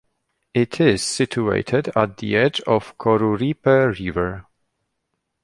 It is situated at the edge of Coruripe river.